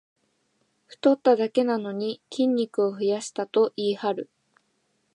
太っただけなのに筋肉を増やしたと言いはる